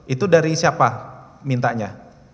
itu dari siapa mintanya